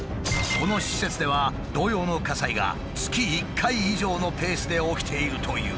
この施設では同様の火災が月１回以上のペースで起きているという。